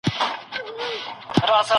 د امير پر مخ ګنډلئ